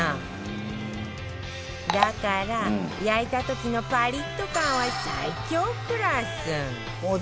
だから焼いた時のパリッと感は最強クラス